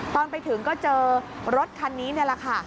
ตอนไปถึงก็เจอรถคันนี้นี่แหละค่ะ